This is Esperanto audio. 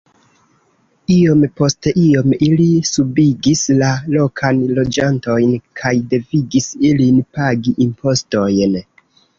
Iom post iom ili subigis la lokan loĝantojn kaj devigis ilin pagi impostojn.